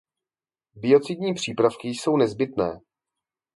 Biocidní přípravky jsou nezbytné.